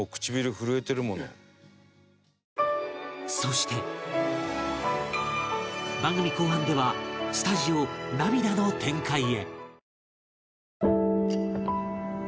そして番組後半ではスタジオ涙の展開へ